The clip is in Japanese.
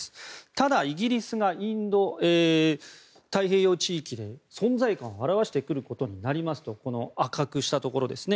ただ、イギリスがインド太平洋地域で存在感を表してくることになりますと赤くしたところですね。